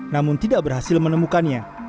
namun tidak berhasil menemukannya